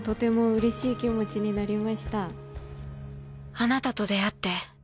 あなたと出会って。